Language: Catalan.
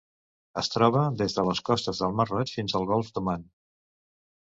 Es troba des de les costes del Mar Roig fins al Golf d'Oman.